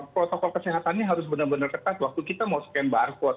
protokol kesehatannya harus benar benar ketat waktu kita mau scan barcode